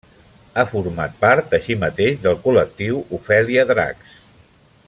Ha format part, així mateix, del col·lectiu Ofèlia Dracs.